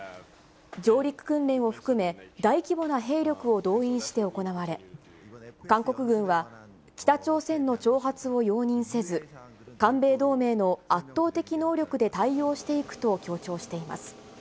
上陸訓練を含め、大規模な兵力を動員して行われ、韓国軍は北朝鮮の挑発を容認せず、韓米同盟の圧倒的能力で対応していくと強調しています。